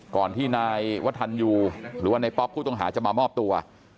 ก่อนที่นายวัฒนยูหรือว่าในป๊อปผู้ต้องหาจะมามอบตัว